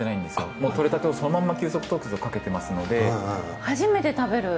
もう獲れたてをそのまんま急速凍結をかけてますので。